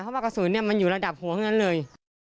เพราะว่ากระสุนมันอยู่ระดับหัวทั้งนั้นเลย